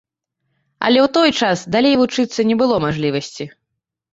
Але ў той час далей вучыцца не было мажлівасці.